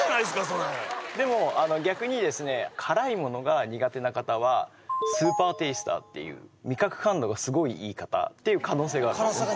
それでも逆にですね辛いものが苦手な方はスーパーテイスターっていう味覚感度がすごいいい方っていう可能性があるんですね